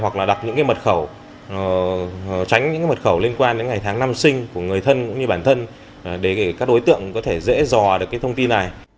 hoặc là đặt những mật khẩu tránh những mật khẩu liên quan đến ngày tháng năm sinh của người thân cũng như bản thân để các đối tượng có thể dễ dò được cái thông tin này